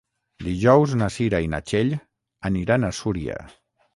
Dijous na Cira i na Txell aniran a Súria.